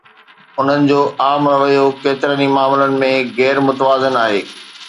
انهن جو عام رويو ڪيترن ئي معاملن ۾ غير متوازن آهي.